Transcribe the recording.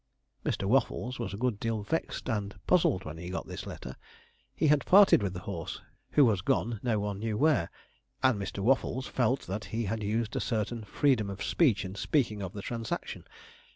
Mr. Waffles was a good deal vexed and puzzled when he got this letter. He had parted with the horse, who was gone no one knew where, and Mr. Waffles felt that he had used a certain freedom of speech in speaking of the transaction.